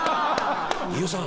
「飯尾さん